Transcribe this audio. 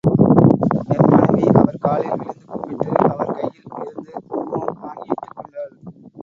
என் மனைவி அவர் காலில் விழுந்து கும்பிட்டு அவர் கையில் இருந்து குங்குமம் வாங்கி இட்டுக் கொண்டாள்.